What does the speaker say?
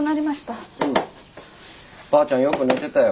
ばあちゃんよく寝てたよ。